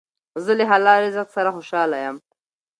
زه له حلال رزق سره خوشحاله یم.